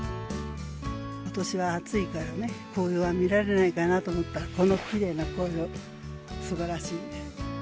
ことしは暑いからね、紅葉は見られないかなと思ったら、このきれいな紅葉、すばらしい。